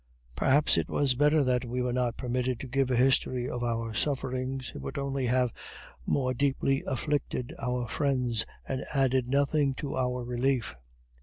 Perhaps it was better that we were not permitted to give a history of our sufferings: it would only have more deeply afflicted our friends, and added nothing to our relief.